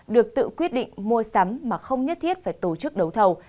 được tự quyết định mua sắm mà không nhất thiết phải tổ chức đấu thầu